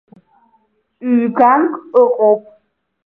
Ҩ-ганк ыҟоуп.